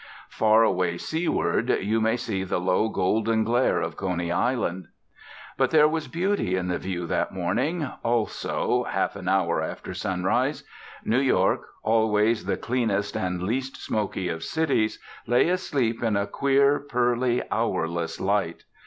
Far away seaward you may see the low golden glare of Coney Island. But there was beauty in the view that morning, also, half an hour after sunrise. New York, always the cleanest and least smoky of cities, lay asleep in a queer, pearly, hourless light.